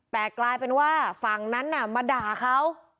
แต่กลายเป็นว่าฝั่งนั้นน่ะมาด่าเขา